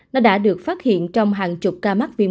nó đã được phát hiện trong hàng truyền